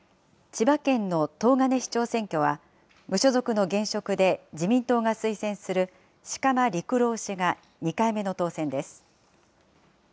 千葉県の東金市長選挙は、無所属の現職で自民党が推薦する、鹿間陸郎氏が２回目の当選です。